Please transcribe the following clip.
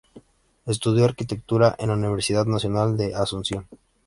Estudió arquitectura en la Universidad Nacional de Asunción.